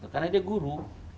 karena dia guru